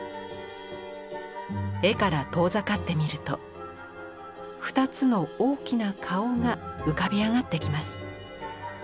絵から遠ざかってみると２つの大きな顔が浮かび上がってきます。